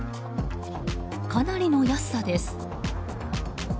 かなりの安さです。